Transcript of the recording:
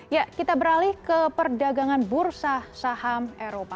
ya kita beralih ke perdagangan bursa saham eropa